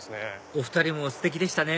お２人もステキでしたね